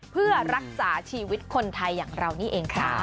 เพื่อรักษาชีวิตคนไทยอย่างเรานี่เองค่ะ